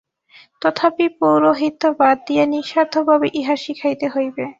তথাপি পৌরোহিত্য বাদ দিয়া নিঃস্বার্থভাবেই ইহা শিখাইতে হইবে।